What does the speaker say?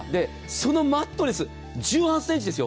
そのマットレス１８ｃｍですよ。